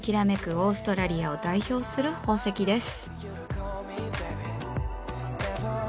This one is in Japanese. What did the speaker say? オーストラリアを代表する宝石です。